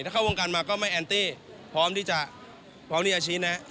ถ้าเข้าวงการมาก็ไม่แอนตี้พร้อมที่จะพร้อมที่จะชี้แนะ